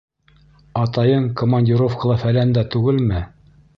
Атайың коман-дировкала-фәләндә түгелме?